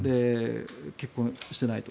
結婚していないと。